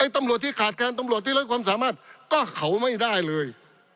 ตำรวจที่ขาดแคลนตำรวจที่ไร้ความสามารถก็เขาไม่ได้เลย